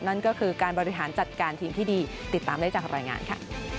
นั่นก็คือการบริหารจัดการทีมที่ดีติดตามได้จากรายงานค่ะ